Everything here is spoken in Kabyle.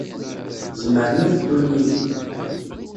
Zemren ad ddun yid-i.